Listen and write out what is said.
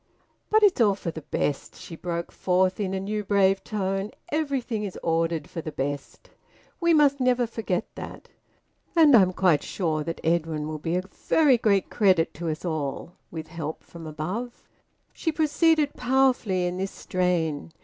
"But it's all for the best!" she broke forth in a new brave tone. "Everything is ordered for the best. We must never forget that! And I'm quite sure that Edwin will be a very great credit to us all, with help from above." She proceeded powerfully in this strain.